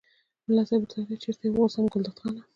ملا صاحب ورته وویل چېرته یې وغورځوم ګلداد خانه.